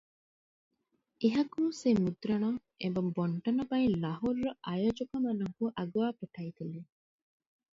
ଏହାକୁ ସେ ମୁଦ୍ରଣ ଏବଂ ବଣ୍ଟନ ପାଇଁ ଲାହୋରର ଆୟୋଜକମାନଙ୍କୁ ଆଗୁଆ ପଠାଇଥିଲେ ।